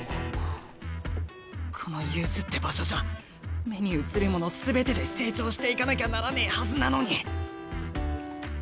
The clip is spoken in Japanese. このユースって場所じゃ目に映るもの全てで成長していかなきゃならねえはずなのに。